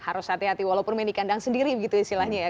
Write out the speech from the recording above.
harus hati hati walaupun main di kandang sendiri begitu istilahnya ya